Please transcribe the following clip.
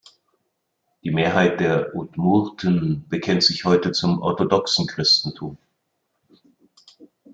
Die Mehrheit der Udmurten bekennt sich heute zum Orthodoxen Christentum.